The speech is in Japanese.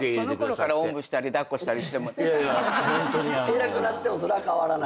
偉くなってもそれは変わらない。